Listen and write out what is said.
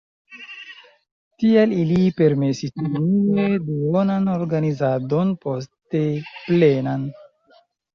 Tial ili permesis unue duonan organizadon, poste plenan.